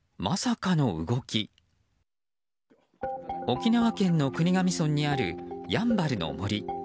沖縄県の国頭村にあるやんばるの森。